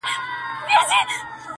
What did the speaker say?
اوس د چا پر پلونو پل نږدم بېرېږم,